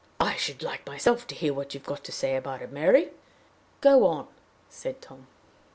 "I should like myself to hear what you have got to say about it, Mary! Go on," said Tom.